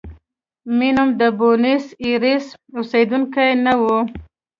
مینم د بونیس ایرس اوسېدونکی نه و.